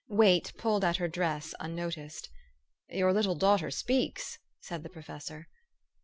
Wait pulled at her dress unnoticed. " Your little daughter speaks," said the professor.